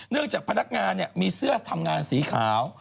จากพนักงานมีเสื้อทำงานสีขาว